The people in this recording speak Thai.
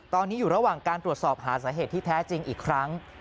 ตอนนี้อยู่ระหว่างการตรวจสอบหาสาเหตุที่แท้จริงอีกครั้ง